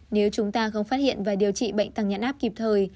nếu chúng ta không phát hiện và điều trị bệnh tăng nhãn áp kịp thời